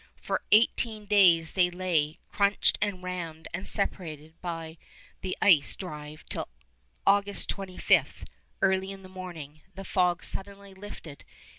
For eighteen days they lay, crunched and rammed and separated by the ice drive, till on August 25, early in the morning, the fog suddenly lifted.